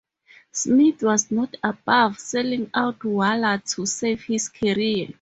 Smith was not above selling out Waller to save his career.